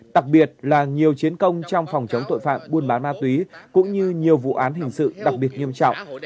đặc biệt là nhiều chiến công trong phòng chống tội phạm buôn bán ma túy cũng như nhiều vụ án hình sự đặc biệt nghiêm trọng